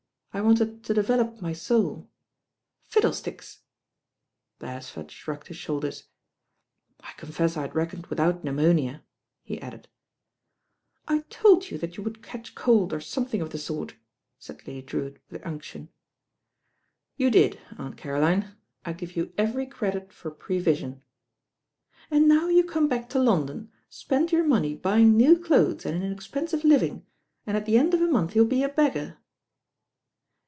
I wanted to develop my soul." "Fiddlesticks." Bcresford sL ugged his shoulders. "I confess I had reckoned without pneumonia," he added. "I told you that you would catch cold, or some thing of the sort," said Lady Drewitt with unction. "You did, Aunt Caroline; I give you every credit for pre vision." "And now you come back to London, spend your money buying new clothes and in expensive living, zik' at the end of a month you'll be a beggar."